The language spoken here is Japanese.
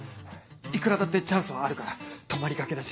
いくらだってチャンスはあるから泊まりがけだし。